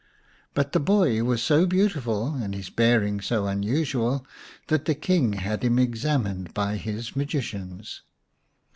But the boy was so beautiful and his bearing so unusual that the King had him examined by his magicians.